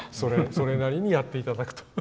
それなりにやっていただくと。